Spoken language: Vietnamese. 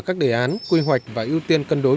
các đề án quy hoạch và ưu tiên cân đối